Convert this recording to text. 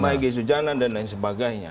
pak egy sujana dan lain sebagainya